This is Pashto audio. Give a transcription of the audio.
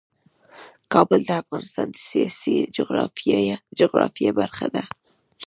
کابل د افغانستان د سیاسي جغرافیه برخه ده.